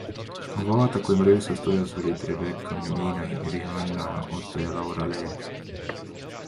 Vaata, kui rõõmsas tujus olid Rebecca, Miina Rihanna, Otto ja Laura Lee!